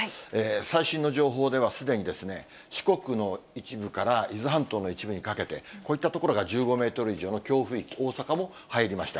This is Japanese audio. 最新の情報では、すでに四国の一部から伊豆半島の一部にかけて、こういった所が１５メートル以上の強風域、大阪も入りました。